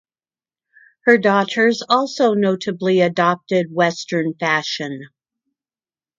Her daughters also notably adopted Western fashion.